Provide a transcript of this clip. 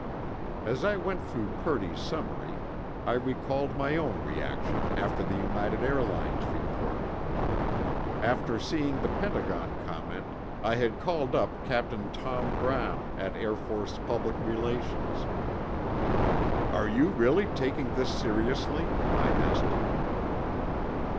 As I went through Purdy's summary, I recalled my own reaction after the United Airlines report. After seeing the Pentagon comment, I had called up Captain Tom Brown, at Air Force Public Relations. "Are you really taking this seriously?" I asked him.